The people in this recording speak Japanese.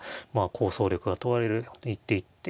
構想力が問われる一手一手